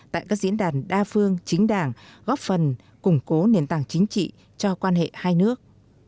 tại các diễn đàn đa phương chính đảng góp phần củng cố nền tảng chính trị cho quan hệ hai nước